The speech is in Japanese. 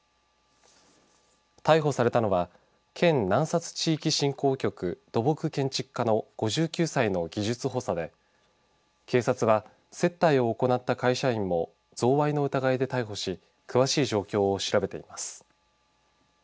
逮捕されたのは県南薩地域振興局土木建築課の５９歳の技術補佐で警察は、接待を行った会社員も贈賄の疑いで逮捕し詳しい状況を調べています。